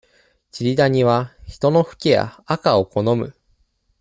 チリダニは、人のフケや、アカを好む。